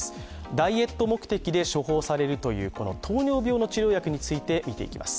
ダイエット目的で処方されるというこの糖尿病治療薬について見ていきます。